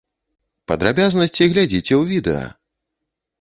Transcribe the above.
Падрабязнасці глядзіце ў відэа!